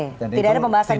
tidak ada pembahasan itu